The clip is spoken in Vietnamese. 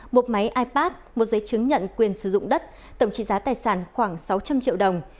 một máy ipad một giấy chứng nhận quyền sử dụng đất tổng trị giá tài sản khoảng sáu trăm linh triệu đồng